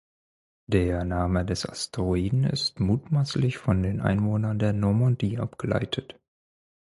Der Name des Asteroiden ist mutmaßlich von den Einwohnern der Normandie abgeleitet.